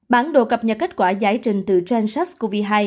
bản đồ cập nhật kết quả giải trình từ gen sars cov hai